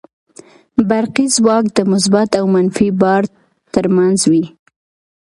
برقي ځواک د مثبت او منفي بار تر منځ وي.